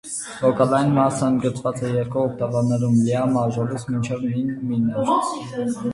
Վոկալային մասն ընդգրկված է երկու օկտավաներում՝ լյա մաժորից մինչև մի մինոր։